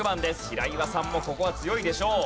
平岩さんもここは強いでしょう。